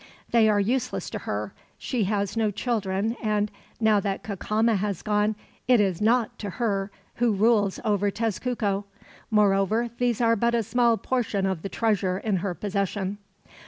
"They are useless to her. She has no children and, now that Cacama has gone, it is naught to her who rules over Tezcuco. Moreover, these are but a small portion of the treasure in her possession."